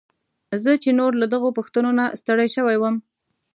زه چې نور له دغو پوښتنو نه ستړی شوی وم.